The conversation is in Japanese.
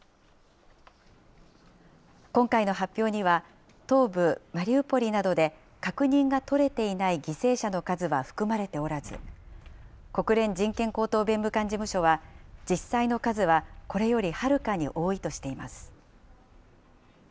今回の発表には、東部マリウポリなどで確認が取れていない犠牲者の数は含まれておらず、国連人権高等弁務官事務所は、実際の数はこれよりはるかに多いとしています。